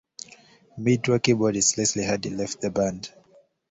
Mid-tour, keyboardist Leslie Hardy left the band.